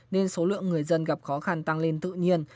nên số lượng người dân gặp khó khăn tăng lên tự nhiên